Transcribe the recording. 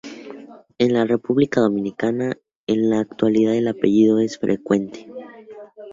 En la República Dominicana en la actualidad el apellido es frecuente.